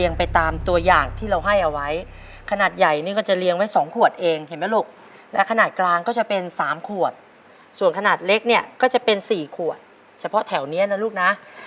ส่วนขนาดเล็กเนี่ยก็จะเป็น๔ขวดเฉพาะแถวเนี้ยนะลูกนะ